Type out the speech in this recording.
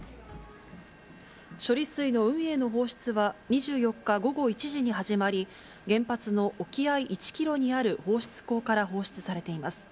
処理水の海への放出は２４日午後１時に始まり、原発の沖合１キロにある放出口から放出されています。